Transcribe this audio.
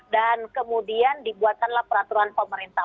dan kemudian dibuatkanlah peraturan pemerintah